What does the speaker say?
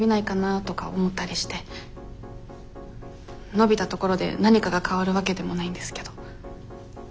伸びたところで何かが変わるわけでもないんですけど。